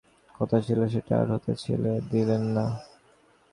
রাত দশটার ট্রেনে ময়মনসিং যাবার কথা ছিল, সেটা আর হতে দিলেন না।